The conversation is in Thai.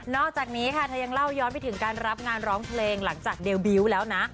อกจากนี้ค่ะเธอยังเล่าย้อนไปถึงการรับงานร้องเพลงหลังจากเดลบิวต์แล้วนะ